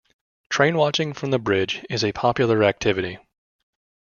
Trainwatching from the bridge is a popular activity.